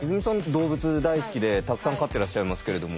動物大好きでたくさん飼ってらっしゃいますけれども。